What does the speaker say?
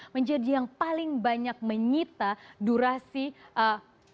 menjadi yang paling banyak menyita durasi